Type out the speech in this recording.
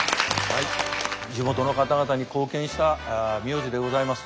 地元の方々に貢献した名字でございます。